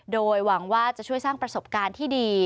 โดยหวังว่าจะช่วยสร้างประสบการณ์ที่ดี